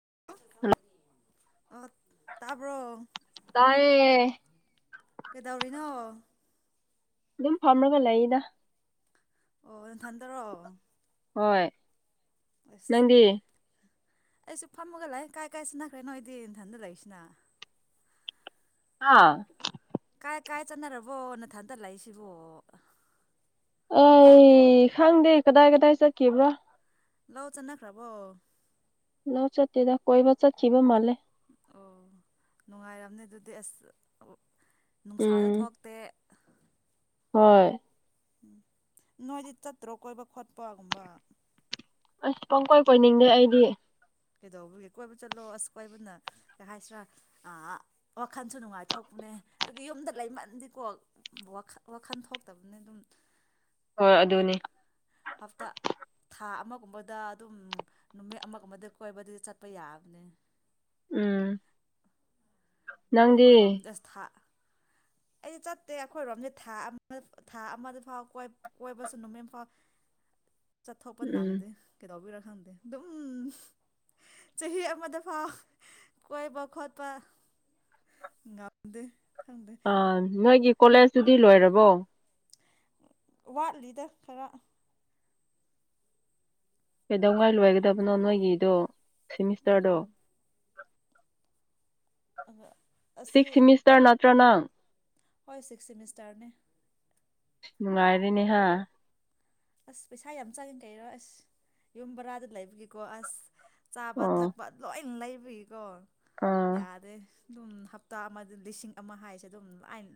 [inaudible] ꯇꯥꯕ꯭ꯔꯣ ꯇꯥꯏꯦ ꯀꯩꯗꯧꯔꯤꯅꯣ ꯑꯗꯨꯝ ꯐꯝꯒꯂ ꯏꯗ ꯑꯣ ꯅꯊꯟꯗꯔꯣꯑꯣ ꯍꯣꯏ ꯅꯪꯗꯤꯌꯦ ꯑꯩꯁꯨ ꯐꯝꯃꯒ ꯂꯩꯥꯛ ꯀꯥꯏ ꯀꯥꯏ ꯁꯤꯟꯅꯈ꯭ꯔꯦ ꯅꯣꯏꯗꯤ ꯏꯟꯊꯟꯗ ꯂꯩꯏꯁꯤꯅ ꯑꯥ ꯀꯥꯏ ꯀꯥꯏ ꯆꯠꯅꯔꯕꯣꯅ ꯊꯟꯗꯠꯂꯛꯏꯁꯤꯕꯣ ꯑꯩ ꯈꯪꯗ ꯀꯗꯥꯏ ꯀꯗꯥꯏ ꯆꯠꯀꯤꯕ꯭ꯔꯣ ꯂꯎ ꯆꯟꯅ ꯈ꯭ꯔꯥꯕꯣ ꯂ ꯆꯠꯠꯇꯦꯗ ꯀꯣꯏꯕ ꯆꯠꯀꯤꯤꯕ ꯃꯥꯜꯂꯦ ꯑꯣ ꯅꯨꯡꯉꯥꯏꯔꯝꯅꯦ ꯑꯗꯨꯗꯤ ꯑꯁ ꯅꯨꯡꯁꯥꯗ ꯎꯝ ꯊꯣꯛꯇꯦ ꯍꯣꯏ ꯎ ꯅꯣꯏꯗꯤ ꯆꯠꯇ꯭ꯔꯣ ꯀꯣꯏꯕ ꯈꯣꯠꯄꯒꯨꯝꯕ ꯑꯁ ꯄꯪ ꯀꯣꯏ ꯀꯣꯏꯅꯤꯡꯗꯦ ꯑꯩꯗꯤ ꯀꯩꯗꯧꯕꯒꯤ ꯀꯣꯏꯕ ꯆꯠꯂꯣ ꯑꯁ ꯀꯣꯏꯕꯅ ꯀꯩ ꯍꯥꯏꯁꯤꯔꯥ ꯋꯥꯈꯜꯁꯨ ꯅꯨꯡꯉꯥꯏꯊꯣꯛꯄꯅꯦ ꯑꯗꯨꯗꯤ ꯌꯨꯝꯗ ꯂꯩꯃꯟꯗꯤꯀꯣ ꯋꯥꯈꯜ ꯊꯣꯛꯇꯕꯅꯦ ꯑꯗꯨꯝ ꯍꯣꯏ ꯑꯗꯨꯅꯤ ꯍꯞꯇꯥ ꯊꯥ ꯑꯃꯒꯨꯝꯕꯗ ꯑꯗꯨꯝ ꯅꯨꯃꯤꯠ ꯑꯃꯒꯨꯝꯕꯗ ꯀꯣꯏꯕꯗꯨ ꯆꯠꯄ ꯌꯥꯕꯅꯤ ꯎꯝ ꯅꯪꯗꯤ ꯑꯩꯈꯣꯏꯔꯣꯝꯗ ꯊꯥ ꯑꯩꯗꯤ ꯆꯠꯇꯦ ꯑꯩꯈꯣꯏꯔꯣꯝꯗꯤ ꯊꯥ ꯑꯃ ꯊꯥ ꯑꯃꯗ ꯐꯥꯎ ꯀꯣꯏꯕꯁꯨ ꯅꯨꯃꯤꯠ ꯐꯥꯎ ꯆꯠꯊꯣꯛꯄ ꯎꯝ ꯅꯪꯗꯦ ꯀꯩꯗꯧꯕꯤꯔꯛ ꯈꯪꯗꯦ ꯑꯗꯨꯝ ꯆꯍꯤ ꯑꯃꯗ ꯐꯥꯎ ꯀꯣꯏꯕ ꯈꯣꯠꯄ ꯉꯗ ꯑ ꯃꯥꯒꯤ ꯀꯣꯂꯦꯖꯇꯨꯗꯤ ꯂꯣꯏꯔꯕꯣ ꯋꯥꯠꯂꯤꯗ ꯈꯔ ꯀꯩꯗꯧ ꯋꯥꯏ ꯂꯣꯏꯒꯗꯕꯅꯣ ꯅꯣꯏꯒꯤꯗꯣ ꯁꯤꯦꯃꯤꯁꯇꯔꯗꯣ ꯎꯝ ꯑ ꯁꯤꯛꯁ ꯁꯤꯃꯤꯁꯇꯔ ꯅꯠꯇ꯭ꯔ ꯅꯪ ꯍꯣꯏ ꯁꯤꯛꯁ ꯁꯦꯃꯤꯁꯇꯔꯅꯦ ꯅꯨꯡꯉꯥꯏꯔꯤꯦꯅꯦꯍ ꯑꯁ ꯄꯩꯁꯥ ꯌꯥꯝ ꯆꯪꯉꯦ ꯀꯩꯔꯣ ꯑꯁ ꯌꯨꯝ ꯕꯔꯥꯗ ꯂꯩꯕꯒꯤꯦꯀꯣ ꯑꯁ ꯆꯥꯕ ꯑꯣ ꯊꯛꯄ ꯂꯣꯏ ꯂꯩ ꯇꯕꯤ ꯀꯣ ꯑꯥ ꯌꯥꯔꯦ ꯑꯗꯨꯝ ꯍꯞꯇꯥ ꯑꯃꯗ ꯂꯤꯁꯤꯡ ꯑꯃ ꯍꯥꯏꯁꯦ ꯑꯗꯨꯝ ꯂꯥꯏꯅ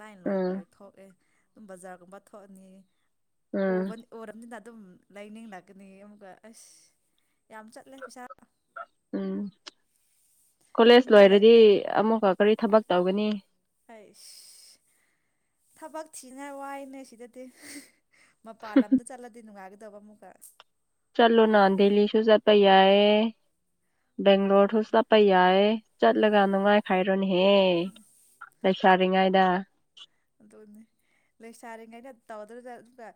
ꯂꯥꯏꯟ ꯂꯣꯏ ꯎꯝ ꯂꯣꯏꯊꯣꯛꯑꯦ ꯑꯗꯨꯝ ꯕꯖꯥꯔꯒꯨꯝꯕ ꯊꯣꯛꯑꯅꯤ ꯎꯝ ꯑꯣꯕꯟ ꯑꯣꯔꯟꯅꯤꯅ ꯑꯗꯨꯝ ꯂꯥꯏꯅꯤꯡ ꯂꯥꯛꯀꯅꯤ ꯑꯃꯨꯛꯀ ꯑꯁ꯫ ꯌꯥꯝ ꯆꯠꯂꯦ ꯄꯩꯁꯥ꯫ ꯎꯝ ꯀꯣꯂꯦꯖ ꯌꯨꯝꯗ ꯂꯣꯏꯔꯗꯤ ꯂꯩꯕꯅ ꯑꯃꯨꯛꯀ ꯀꯔꯤ ꯊꯕꯛ ꯇꯧꯒꯅꯤ ꯑꯩꯁ ꯊꯕꯛ ꯊꯤꯅꯉꯥꯏ ꯋꯥꯏꯅꯦ ꯁꯤꯗꯗꯤ꯫ ꯃꯄꯥ ꯂꯝꯗ ꯆꯠꯂꯗꯤ ꯅꯨꯡꯉꯥꯏꯒꯅꯤ꯫ ꯗꯕ ꯑꯃꯨꯒ ꯆꯂꯣ ꯅꯅꯥꯗ ꯂꯤ ꯁꯨꯖꯥꯄꯩꯌꯥꯌꯦ ꯎꯝ ꯕꯦꯡꯂꯣꯔꯁꯨ ꯌꯥꯝꯅ ꯆꯠꯄ ꯌꯥꯏꯌꯦ꯫ ꯆꯠꯂꯒ ꯅꯨꯡꯉꯥꯏꯈꯥꯏꯔꯣꯅꯦꯍꯦ ꯂꯩꯁꯥꯔꯤꯉꯩꯗꯥ꯫ ꯑꯗꯨꯅꯤ ꯂꯩꯁꯥꯔꯤꯉꯩꯩꯅ ꯇꯧꯗꯧꯗ ꯑꯗꯨꯒ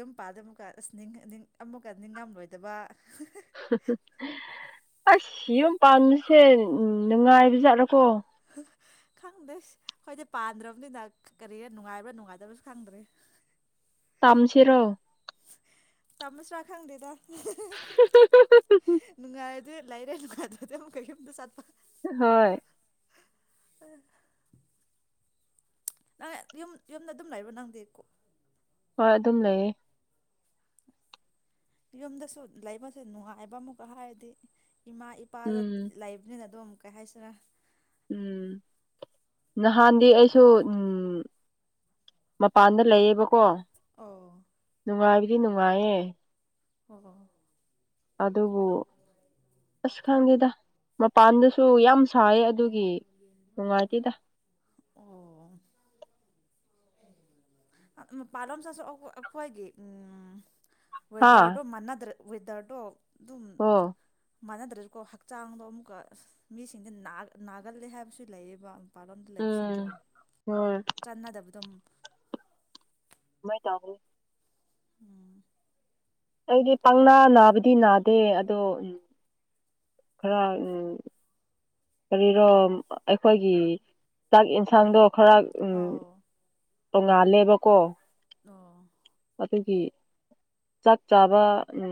ꯌꯨꯝ ꯄꯥꯗ ꯑꯃꯨꯛꯀ ꯑꯁ ꯑꯃꯨꯛꯀ ꯅꯤꯡꯉꯝꯂꯣꯏꯗꯕ ꯍꯍ ꯑꯁ ꯌꯨꯝ ꯄꯥꯟꯕꯥꯁꯦ ꯅꯨꯡꯉꯥꯏꯕꯖꯥꯠꯔꯀꯣ꯫ ꯈꯪꯗꯦ ꯈꫭꯏꯗꯤ ꯄꯥꯟꯗ꯭ꯔꯕꯅꯤꯅ ꯀꯔꯤꯔ ꯅꯨꯡꯉꯥꯏꯕ꯭ꯔꯥ ꯅꯨꯡꯉꯥꯏꯇꯕꯁꯨ ꯈꯪꯗ꯭ꯔꯦ꯫ ꯇꯝꯁꯤꯔꯣ ꯇꯝꯑꯁꯤꯔ ꯈꯪꯗꯦꯗ꯫ ꯅꯨꯡꯉꯥꯏ ꯗꯤ ꯂꯩꯔꯦ [unintelligible] ꯁꯥꯠꯄ ꯍꯣꯏ꯫ [unintelligible] [inaudible] ꯅꯪ ꯌꯨꯝ ꯌꯨꯝꯗ ꯑꯗꯨꯝ ꯂꯩꯕ ꯅꯪꯗꯤ ꯀꯣ ꯍꯣꯏ ꯑꯗꯨꯝ ꯂꯩꯌꯦ꯫ ꯌꯨꯝꯗꯁꯨ ꯂꯩꯕꯁꯦ ꯅꯨꯡꯉꯥꯏꯕ ꯑꯃꯨꯛꯀ ꯍꯥꯏꯔꯗꯤ꯫ ꯏꯃꯥ ꯏꯄꯥꯗ ꯎꯝ ꯂꯩꯕꯅꯤꯅ ꯑꯗꯨꯝ ꯀꯥꯏꯁꯤꯔꯥ ꯎꯝ ꯅꯍꯥꯟꯗꯤ ꯑꯩꯁꯨ ꯎꯝ ꯃꯄꯥꯟꯗ ꯂꯩꯌꯦꯕꯀꯣ꯫ ꯑ ꯅꯨꯡꯉꯥꯏꯕꯗꯤ ꯅꯨꯡꯉꯥꯏꯌꯦꯦ ꯑꯣ ꯑꯗꯨꯕꯨ ꯑꯁ ꯈꯪꯗꯦꯗ ꯃꯄꯥꯟꯗꯁꯨ ꯌꯥꯝ ꯁꯥꯏ ꯑꯗꯨ ꯏ ꯅꯨꯡꯉꯥꯏꯇꯦꯗ꯫ ꯑ ꯃꯄꯥꯜꯂꫭꯝ ꯆꯁꯨ ꯑꯈꫭꯏꯒꯤ ꯎꯝ ꯍꯥ ꯑꯣꯗꯔꯗ ꯃꯅꯥꯗ ꯋꯦꯗꯔꯗꫭ ꯑꯣ ꯃꯥꯟꯅꯗ꯭ꯔꯁꯨꯀꯣ ꯍꯛꯆꯥꯡꯗꯣ ꯑꯃꯨꯛꯀ ꯃꯤꯁꯤꯡꯗ ꯅꯥꯒꯜꯂꯦ ꯍꯥꯏꯕꯁꯨ ꯂꯩꯌꯦꯕ ꯃꯄꯥꯟꯂꯣꯝꯗ ꯂꯩꯕꯁꯤꯡꯗꯣ ꯎꯝ ꯍꯣꯏ ꯆꯥꯟꯅꯗꯕ ꯁꯇꯝ ꯥꯏ ꯇꯥꯦ ꯎꯝ ꯑꯗꯨꯗꯤ ꯎꯝ ꯄꯪꯅꯥ ꯅꯥꯕꯗꯤ ꯅꯥꯗꯦ ꯗꯦ ꯑꯗꯣ ꯎ ꯈꯔ ꯎꯝ ꯀꯔꯤꯔꯣ ꯑꯩꯈꯣꯏꯒꯤ ꯆꯥꯛ ꯌꯦꯟꯁꯥꯡꯗꯣ ꯈꯔ ꯎꯝ ꯑꯧ ꯇꯣꯡꯉꯥꯂꯦꯕꯀꯣ ꯑꯣ ꯑꯗꯨꯒꯤ ꯆꯥꯛ ꯆꯥꯕ ꯎ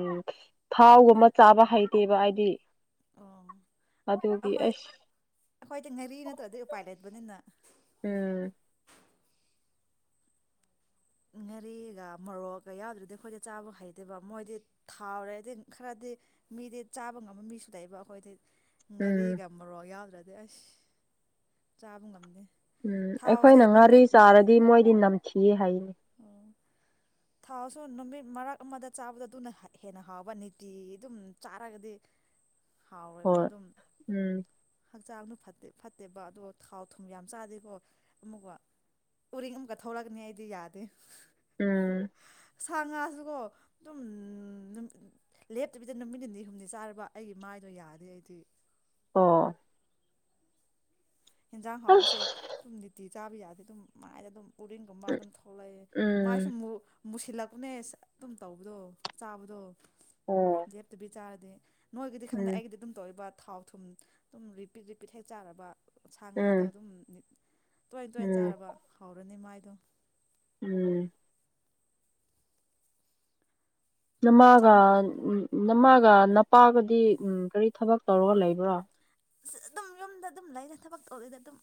ꯊꯥꯎꯒꯨꯝꯕ ꯆꯥꯕ ꯍꯩꯇꯦꯕ ꯍꯥꯏꯗꯤ ꯑꯣ ꯑꯩꯈꯣꯏ ꯑꯩꯈꯣꯏꯗꯤ ꯉꯥꯔꯤ ꯅꯠꯇ꯭ꯔꯗꯤꯩ ꯎꯄꯥꯏ ꯂꯩꯠꯄꯅꯤꯅ ꯎꯝ ꯉꯥꯔꯤꯒ ꯃꯣꯔꯣꯛꯀ ꯌꯥꯎꯗ꯭ꯔꯗꯤ ꯑꯩꯈꯣꯏꯗꯤ ꯆꯥꯕ ꯍꯩꯇꯦꯕ ꯃꯣꯏꯗꯤ ꯊꯥꯎꯔꯦꯗꯤ ꯈꯔꯗꯤ ꯃꯤꯗꯤ ꯆꯥꯕ ꯉꯝꯕ ꯃꯤꯁꯨ ꯂꯩꯕ ꯑꯩꯈꯣꯏꯗꯤ ꯎꯝ ꯉꯔꯤꯒꯝꯕꯔꯣ ꯌꯥꯗ꯭ꯔ ꯑꯗꯩ ꯑꯁ ꯆꯥꯕ ꯉꯝꯗꯦ ꯎꯝ ꯑꯩꯈꯣꯏꯅ ꯊꯥꯎꯁꯦ ꯉꯥꯔꯤ ꯅꯨꯃꯤꯠ ꯆꯥꯔꯗꯤ ꯃꯣꯏꯗꯤ ꯅꯝ ꯁꯤ ꯍꯥꯏ [unintelligible] ꯎꯝ ꯊꯥꯎꯁꯨ ꯅꯨꯃꯤꯠ ꯃꯔꯛ ꯑꯃꯗ ꯆꯥꯕꯗ ꯑꯗꯨꯅ ꯍꯦꯟꯅ ꯍꯥꯎꯕ ꯅꯤꯇꯤ ꯑꯗꯨꯝ ꯆꯥꯔꯒꯗꯤ ꯍꯥꯎꯔꯕ ꯍꯣꯏ ꯑꯗꯨꯝ ꯎꯝ ꯍꯛꯆꯥꯡꯗꯨ ꯐꯠꯇꯦ ꯐꯠꯇꯦꯕ ꯑꯗꯣ ꯊꯥꯎ ꯊꯨꯝ ꯌꯥꯝ ꯆꯥꯗꯦꯀꯣ ꯑꯃꯨꯛꯀ ꯎꯔꯤꯡ ꯑꯃꯨꯛꯀ ꯊꯂꯛꯒꯅꯤ ꯑꯩꯗꯤ ꯌꯥꯗꯦ ꯎꯝ ꯁꯥ ꯉꯥꯁꯨꯀꯣ ꯑꯗꯨꯝ ꯂꯦꯞꯇꯕꯤꯗ ꯅꯨꯃꯤꯠ ꯅꯤꯅꯤ ꯍꯨꯝꯅꯤ ꯆꯥꯔꯕ ꯑꯩꯒꯤ ꯃꯥꯏꯗꯣ ꯌꯥꯗꯦ ꯑꯩꯗꯤ ꯑꯣ ꯌꯦꯟꯖꯥꯡ ꯍꯥꯎꯕꯁꯦ ꯑꯁ ꯁꯨꯝꯗꯤꯇꯤ ꯆꯥꯕ ꯌꯥꯗꯤꯦ ꯑꯗꯨꯝ ꯃꯥꯏꯁ ꯑꯗꯨꯝ ꯎꯔꯤꯡꯒꯨꯝꯕ ꯑꯗꯨꯝ ꯊꯣꯛꯂꯛꯑꯦ ꯃꯥꯏꯁꯨ ꯎꯝ ꯃꯨꯁꯤꯜꯂꯛꯄꯅꯦ ꯑꯗꯨꯝ ꯇꯧꯕꯗꯣ ꯆꯥꯕꯗꯣ ꯑꯣ ꯞꯇ ꯆꯥꯔꯗ ꯅꯣꯏꯒꯗꯤ ꯈꯪꯗꯦ ꯎꯝ ꯑꯩꯒꯤꯗꯤ ꯑꯗꯨꯝ ꯇꯧꯏ ꯕꯠ ꯊꯥꯎ ꯊꯨꯝ ꯑꯗꯨꯝ ꯔꯤꯄꯤꯠ ꯔꯤꯄꯤꯠ ꯍꯦꯛ ꯆꯥꯔꯕ ꯁꯥ ꯉꯥꯗꯣ ꯎꯝ ꯑꯗꯨꯝ ꯇꯣꯏ ꯇꯣꯏꯅ ꯎꯝ ꯆꯥꯔꯕ ꯍꯧꯔꯅꯤ ꯃꯥꯏ ꯗꯣ ꯎꯝ ꯅꯃꯒ ꯎꯝ ꯅꯃꯥꯒ ꯅꯄꯥꯒꯗꯤ ꯎꯝ ꯀꯔꯤ ꯊꯕꯛ ꯇꯧꯔꯒ ꯂꯩꯕ꯭ꯔ ꯑꯗꯨꯝ ꯌꯨꯝꯗ ꯑꯗꯨꯝ ꯂꯩꯔ ꯊꯕꯛꯇꯣꯔꯤꯗ ꯑꯗꯨꯝ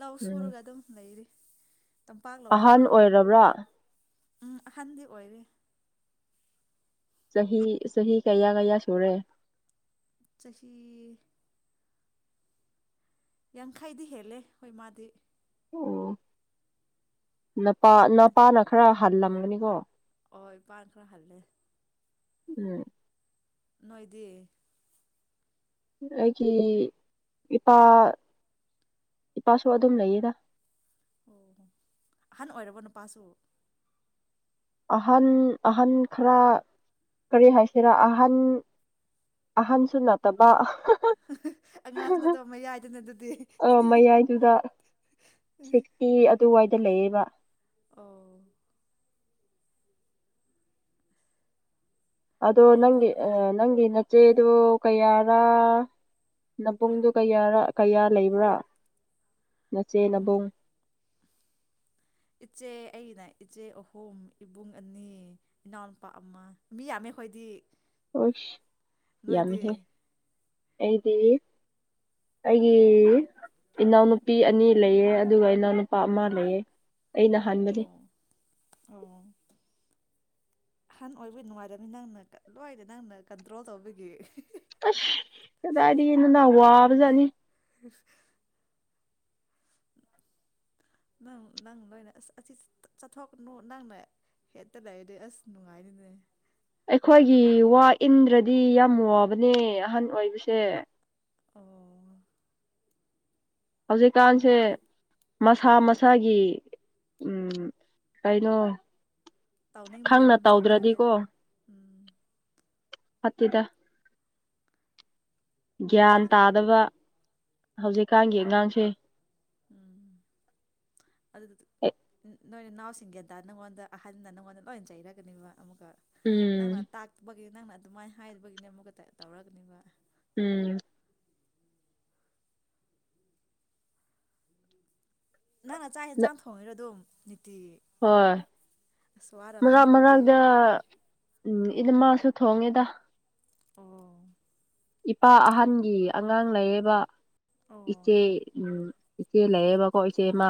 ꯂꯥꯎ ꯁꯨꯔꯒ ꯑꯗꯨꯝ ꯂꯩꯔꯤ ꯇꯝꯄꯥꯛ ꯂꯧꯗꯣ ꯑꯍꯜ ꯑꯣꯏꯔꯕ꯭ꯔꯥ ꯎꯝ ꯑꯍꯟꯗꯤ ꯑꯣꯏꯔꯦ ꯆꯍꯤ ꯆꯍꯤ ꯀꯌꯥ ꯀꯌꯥ ꯁꯨꯔꯦ ꯆꯍꯤ ꯌꯥꯡꯈꯩꯗꯤ ꯍꯦꯜꯂꯦ ꯍꯣꯏ ꯃꯥꯗꯤ ꯑꯣ ꯅꯄꯥ ꯍꯦꯜꯂꯝꯅꯤ ꯅꯄꯥꯅ ꯈꯔ ꯍꯜꯂꯝꯒꯅꯤꯀꯣ ꯍꯣꯏ ꯏꯄꯥꯅ ꯈꯔ ꯍꯜꯂꯦ ꯎꯝ ꯅꯣꯏꯗꯤ ꯑꯩꯒꯤ ꯏꯄꯥ ꯏꯄꯥꯁꯨ ꯑꯗꯨꯝ ꯂꯩꯌꯦꯗ ꯑꯣ ꯑꯍꯟ ꯑꯣꯏꯔꯕ ꯅꯄꯥꯁꯨ ꯑꯍꯟ ꯑꯍꯟ ꯈꯔ ꯀꯔꯤ ꯍꯥꯏꯁꯤꯔ ꯑꯍꯟ ꯑꯍꯟꯁꯨ ꯅꯠꯇꯕ ꯑꯉꯥꯡꯅ ꯃꯌꯥꯏꯅꯦ ꯑꯗꯨꯗꯤ ꯑꯥ ꯃꯌꯥꯏꯗꯨꯗ ꯇ ꯂꯩꯌꯦꯕ ꯑꯣ ꯑꯗꯣ ꯑꯗꯨꯗꯤ ꯅꯪꯒꯤ ꯑ ꯅꯪꯒꯤ ꯆꯦꯗꯣ ꯀꯌꯥꯔꯥ ꯅꯕꯨꯡꯗꯨ ꯀꯌꯥꯔ ꯀꯌꯥ ꯂꯩꯕ꯭ꯔꯥ ꯅꯆꯦ ꯎꯝ ꯅꯕꯨꯡ ꯏꯆꯦ ꯑꯩꯒꯤꯅ ꯏꯆꯦ ꯑꯍꯨꯝ ꯏꯕꯨꯡ ꯑꯅꯤ ꯏꯅꯥꯎꯅꯨꯄꯥ ꯑꯃ ꯃꯤ ꯌꯥꯝꯃꯦ ꯑꯩꯈꯣꯏꯗꯤ ꯍꯁ ꯅꯣꯏꯗꯤ ꯌꯥꯃꯤꯍꯦ ꯑꯩꯗꯤ ꯑꯩꯒꯤ ꯏꯅꯥꯎꯅꯨꯄꯤ ꯑꯅꯤ ꯂꯩꯑ ꯑꯗꯨꯒ ꯏꯅꯥꯎꯅꯨꯄꯥ ꯑꯃ ꯂꯩꯑ ꯑꯩꯅ ꯍꯥꯟꯕꯅꯦ ꯑꯣ ꯑꯣ ꯑꯍꯟ ꯑꯣꯏꯕꯩ ꯅꯨꯡꯉꯥꯏꯔꯝꯅꯤ ꯅꯪꯅ ꯂꯣꯏꯅ ꯅꯪꯅ ꯀꯟꯇ꯭ꯔꯣꯜ ꯇꯧꯕꯒꯤ ꯑꯁ ꯀꯗꯥꯏꯗꯩ [unintelligible] ꯅꯪ ꯅꯪ ꯂꯣꯏꯅ ꯑꯁ ꯑꯁꯤ ꯆꯠꯊꯣꯛꯀꯅꯨ ꯅꯪꯅ ꯍꯦꯛꯇ ꯂꯩꯔꯗꯤ ꯑꯁ ꯅꯨꯡꯉꯥꯏꯅꯤꯅꯦ ꯑꯩꯈꯣꯏꯒꯤ ꯋꯥ ꯏꯟꯗ꯭ꯔꯗꯤ ꯌꯥꯝ ꯋꯥꯕꯅꯦ ꯑꯍꯟ ꯑꯣꯏꯕꯁꯦ ꯑꯣ ꯍꯧꯖꯤꯛꯀꯥꯟꯁꯦ ꯃꯁꯥ ꯃꯁꯥꯒꯤ ꯎꯝ ꯀꯩꯅꯣ ꯇꯥꯎꯅꯤꯡꯕꯒꯤ ꯈꯪꯅ ꯃꯁꯥ ꯃꯁꯥꯒꯤ ꯎꯝ ꯅꯠꯇꯦꯗ ꯒ꯭ꯌꯥꯟ ꯃꯁꯥ ꯇꯥꯗꯕ ꯍꯧꯖꯤꯛꯀꯥꯟꯒꯤ ꯎꯝ ꯑꯉꯥꯡꯁꯦ ꯎꯝ ꯑꯗꯨ ꯅꯣꯏ ꯏꯅꯥꯎꯁꯤꯡꯒꯤ ꯑꯗ ꯅꯪꯉꯣꯟꯗ ꯑꯍꯟꯅ ꯅꯪꯉꯣꯟꯗ ꯂꯣꯏꯅ ꯆꯩꯔꯒꯅꯦꯕ ꯑꯃꯅꯥ ꯎꯝ ꯇ ꯅꯪꯅ ꯑꯗꯨꯃꯥꯏꯅ ꯍꯥꯏꯕꯒꯤꯅꯦ ꯑꯃꯨꯛꯀꯛꯇ ꯇꯧꯔꯒꯅꯦꯕ ꯎꯝ ꯅꯪ ꯉ ꯆꯥꯛ ꯌꯦꯟꯁꯥꯡ ꯊꯣꯡꯉꯤꯔꯣ ꯑꯗꯨꯝ [unintelligible] ꯍꯣꯏ ꯑꯁ ꯃꯔ ꯋꯥꯔꯝꯅꯤꯍꯦ ꯑꯗꯨꯗꯤ ꯃꯔꯥꯡꯗ ꯎꯝ ꯏꯗ ꯃꯥꯁꯨ ꯊꯣꯡꯉꯦꯗ ꯑꯣ ꯏꯄꯥ ꯑꯍꯟꯒꯤ ꯑꯉꯥꯡ ꯂꯩꯌꯦꯕ ꯑꯣ ꯏꯆꯦ ꯎꯝ ꯏꯆꯦ ꯂꯩꯌꯦꯕꯀꯣ ꯏꯆꯦꯃ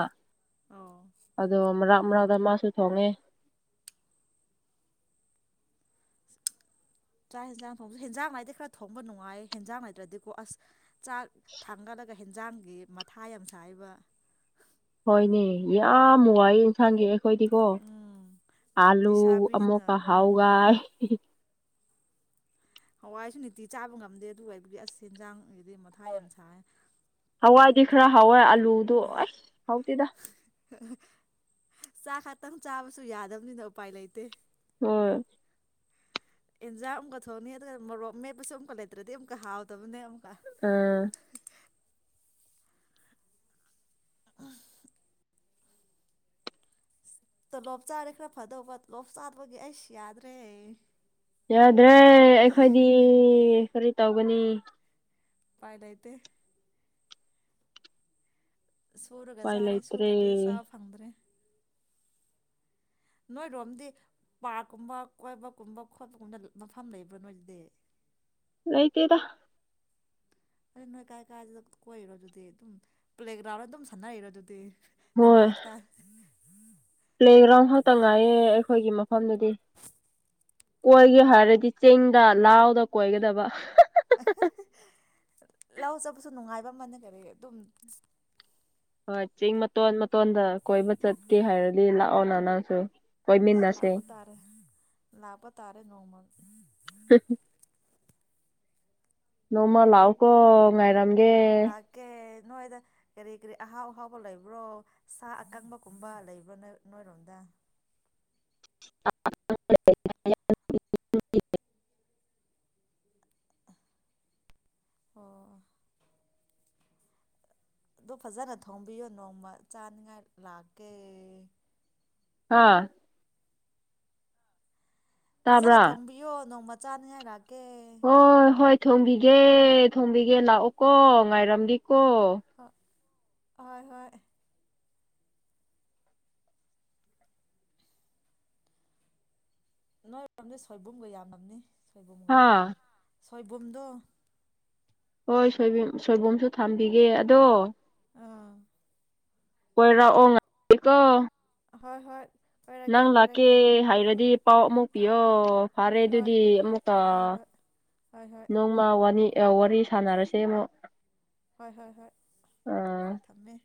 ꯑꯣ ꯑꯗꯣ ꯑꯃ ꯑꯃꯔꯥꯗ ꯃꯥꯁꯨ ꯊꯣꯡꯉꯦ ꯆꯥꯛ ꯌꯦꯟꯖꯥꯡ ꯊꯣꯡꯕꯁꯨ ꯍꯦꯟꯖꯥꯡꯉꯥꯏꯗꯤ ꯈꯔ ꯊꯣꯡꯕ ꯅꯨꯡꯉꯥꯏ ꯍꯦꯟꯖꯥꯡꯉꯥꯏꯇ꯭ꯔꯗꯤꯀꯣ ꯑꯁ ꯆꯥꯛ ꯊꯥꯡꯒꯠꯂꯒ ꯍꯦꯟꯖꯥꯡꯒꯤ ꯃꯊꯥ ꯌꯥꯝ ꯁꯥꯥꯏꯕ ꯍꯣꯏꯅꯦ ꯌꯥꯝ ꯋꯥꯏ ꯏꯟꯁꯥꯡꯒꯤ ꯊꯣꯏꯗꯤꯀꯣ ꯎꯝ ꯑꯂꯨ ꯂꯩꯁꯥꯕꯤꯅꯤꯅ ꯑꯃꯨꯛꯀ ꯎꯝ ꯍꯥꯎꯒꯥꯏ ꯍꯋꯥꯏꯁꯨ ꯅꯨꯡꯇꯤ ꯆꯥꯕ ꯉꯝꯗꯦ ꯑꯗꯨꯒ ꯑꯩꯕꯨꯒꯤ ꯑꯁ ꯍꯦꯟꯖꯥꯡ ꯑꯗꯨꯗꯤ ꯃꯊꯥ ꯌꯥꯝ ꯁꯥꯏ ꯈꯔꯥ ꯍꯥꯎꯌꯦ ꯂꯨꯗꯣ ꯑꯩꯁ ꯍꯥꯎꯇꯦꯗ ꯆꯥꯛ ꯈꯛꯇꯪ ꯆꯥꯕꯁꯨ ꯌꯥꯗꯕꯅꯤꯅ ꯎꯄꯥꯏ ꯂꯩꯇꯦ ꯍ ꯑꯦꯟꯖꯥꯡ ꯑꯃꯨꯛꯀ ꯊꯣꯛꯑꯅꯤ ꯑꯗꯨꯒ ꯃꯣꯔꯣꯛꯞ ꯃꯦꯞꯄꯁꯨ ꯑꯃꯨꯛꯀ ꯂꯩꯇ꯭ꯔꯗꯤ ꯑꯃꯨꯛꯀ ꯍꯥꯎꯗꯕꯅꯦ ꯑꯃ ꯑꯥ ꯇꯣ ꯂꯣꯞ ꯆꯥꯔꯦ ꯈꯔ ꯐꯗꯕ ꯂꯣꯞ ꯆꯥꯕꯒꯤ ꯑꯩꯁ ꯌꯥꯗ꯭ꯔꯦ ꯌꯥꯗ꯭ꯔꯦ ꯑꯩꯈꯣꯏꯗꯤ ꯀꯔꯤ ꯇꯧꯒꯅꯤ ꯄꯥꯏ ꯂꯩꯥꯏꯇ ꯁꯨꯔꯒ ꯎꯄꯥꯏ ꯆꯥꯔꯦ ꯂꯩꯇ꯭ꯔꯦ ꯁꯨꯗ꯭ꯔꯗꯤ ꯆꯥꯕ ꯐꯪꯗ꯭ꯔꯦ ꯅꯣꯏꯔꯣꯝꯗꯤ ꯄꯥꯔꯛꯀꯨꯝꯕ ꯀꯣꯏꯕꯒꯨꯝꯕ ꯈꯣꯠꯄꯒꯨꯝꯕ ꯃꯐꯝ ꯂꯩꯕ꯭ꯔꯥ ꯅꯣꯏꯗꯤ ꯂꯩꯥꯏꯇꯦꯗ ꯑ ꯅꯣꯏ ꯀꯥꯏ ꯀꯥꯏ ꯀꯣꯏꯔꯣ ꯑꯗꯨꯗꯤ ꯑꯗꯨꯝ ꯄ꯭ꯂꯦꯒ꯭ꯔꯥꯎꯟ ꯑꯗꯨꯝ ꯁꯥꯟꯅꯔꯔꯣ ꯑꯗꯨꯗꯤ ꯍꯣꯏ ꯂꯝꯄꯥꯛꯇ ꯄ꯭ꯂꯦꯒ꯭ꯔꯥꯎꯟ ꯈꯛꯇ ꯉꯥꯏꯌꯦ ꯑꯩꯈꯣꯏꯒꯤ ꯃꯐꯝꯗꯗꯤ ꯀꯣꯏꯒꯦ ꯑꯣ ꯍꯥꯏꯔꯗꯤ ꯆꯤꯡꯗ ꯂꯥꯎ ꯀꯣꯏꯒꯦꯗꯕ ꯂꯧ ꯆꯕꯁꯨ ꯅꯨꯡꯉꯥꯏꯕ ꯑꯃꯅ ꯀꯔꯤ ꯑꯗꯨꯝ ꯍꯣꯏ ꯆꯤꯡ ꯃꯇꯣꯟ ꯃꯇꯣꯟꯗ ꯀꯣꯏꯕ ꯆꯠꯀꯦ ꯍꯥꯏꯔꯗꯤ ꯂꯥꯛꯑꯣ ꯅ ꯅꯪꯁꯨ ꯑꯁ ꯀꯣꯏꯃꯤꯟꯅꯁꯦ ꯂꯥꯛꯄ ꯇꯥꯔꯦ ꯂꯥꯛꯄ ꯇꯥꯔꯦ ꯅꯣꯡꯃ ꯅꯣꯡꯃꯜ ꯂꯥꯎꯀꯣ ꯉꯥꯏꯔꯝꯦ ꯂꯥꯛꯀꯦ ꯅꯣꯏꯗ ꯀꯔꯤ ꯀꯔꯤ ꯑꯍꯥꯎ ꯑꯍꯥꯎꯕ ꯂꯩꯕ꯭ꯔꯣ ꯁꯥ ꯑꯀꯪꯕꯒꯨꯝꯕ ꯂꯩꯕ꯭ꯔꯥ ꯅ ꯅꯣꯏꯔꯣꯝꯗ [unintelligible] ꯑꯣ ꯑꯗꯨ ꯐꯖꯅ ꯊꯣꯡꯕꯤꯌꯣ ꯅꯣꯡꯃ ꯆꯥꯅꯤꯉꯥꯏ ꯂꯥꯛꯀꯦ ꯑꯥ ꯐꯖꯅ ꯇꯥꯕ꯭ꯔꯥ ꯊꯣꯡꯕꯤꯌꯣ ꯅꯣꯡꯃ ꯆꯥꯅꯤꯡꯉꯅꯅꯥꯒꯦ ꯍꯣꯏ ꯍꯣꯏ ꯊꯣꯡꯝꯕꯤꯒꯦ ꯊꯣꯡꯝꯕꯤꯒꯦ ꯂꯥꯛꯑꯣꯀꯣ ꯉꯥꯏꯔꯝꯗꯤ ꯀꯣ ꯍꯣꯏ ꯍꯣꯏ ꯍꯣꯏ ꯅꯣꯏ ꯃꯔꯝꯗꯤ ꯁꯣꯏꯕꯨꯝꯒ ꯌꯥꯝꯅꯕꯅꯤ ꯆꯈꯣꯏ ꯨꯝꯒꯥ ꯍꯥ ꯁꯣꯏꯕꯨꯝꯗꯣ ꯍꯣꯏ ꯁꯣꯏ ꯁꯣꯏꯕꯨꯝꯁꯨ ꯊꯝꯕꯤꯒꯦ ꯑꯗꯣ ꯑꯥ ꯑꯣꯏꯣꯏꯔꯑꯣ ꯉꯀ ꯍꯣꯏ ꯍꯣꯏ ꯀꯣꯏꯔꯛꯀꯦ ꯅꯪ ꯂꯀꯦ ꯀꯣꯏꯔꯛꯀꯦ ꯍꯥꯏꯔꯗꯤ ꯄꯥꯎ ꯑꯃꯨꯕꯤꯌꯣ ꯐꯔꯦ ꯍꯣꯏ ꯑꯗꯨꯗꯤ ꯑꯃꯨꯛꯀ ꯍꯣꯏ ꯍꯣꯏ ꯍꯣꯏ ꯍꯣꯏ ꯅꯣꯡꯃ ꯋꯥꯅꯤ ꯋꯥꯔꯤ ꯁꯥꯟꯅꯔꯁꯦ ꯑꯃꯨꯛ ꯍꯣꯏ ꯍꯣꯏ ꯍꯣꯏ ꯑꯥ ꯊꯝꯃꯦ